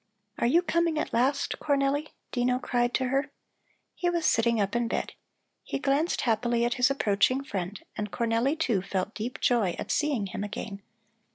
"Are you coming at last, Cornelli?" Dino cried to her. He was sitting up in bed. He glanced happily at his approaching friend, and Cornelli, too, felt deep joy at seeing him again.